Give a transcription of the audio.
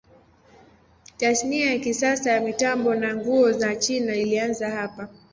Tasnia ya kisasa ya mitambo na nguo ya China ilianza hapa.